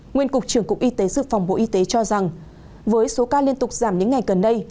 nguyên cục trưởng cục y tế dự phòng bộ y tế cho rằng với số ca liên tục giảm những ngày gần đây